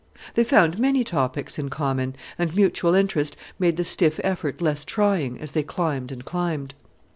They found many topics in common, and mutual interest made the stiff effort less trying as they climbed and climbed.